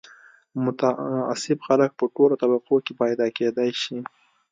متعصب خلک په ټولو طبقو کې پیدا کېدای شي